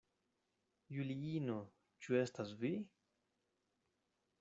Juliino, ĉu estas vi?